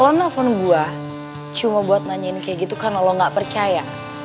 lo nelfon gue cuma buat nanyain kayak gitu karena lo gak percaya